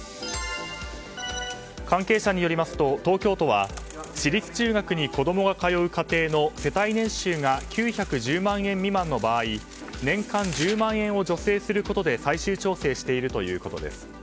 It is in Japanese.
関係者によりますと東京都は私立中学に子供が通う家庭の世帯年収が９１０万円未満の場合年間１０万円を助成することで最終調整しているということです。